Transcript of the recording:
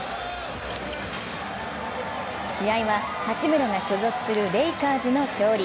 試合は八村が所属するレイカーズの勝利。